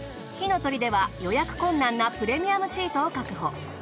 「ひのとり」では予約困難なプレミアムシートを確保。